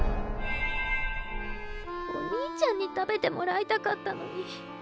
お兄ちゃんに食べてもらいたかったのに。